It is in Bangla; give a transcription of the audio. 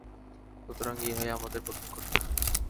সুতরাং ইহাই আমাদের প্রথম কর্তব্য।